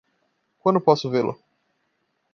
Quando posso vê-lo?